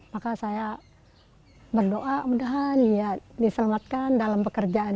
maka saya berdoa mudah mudahan ya diselamatkan dalam pekerjaan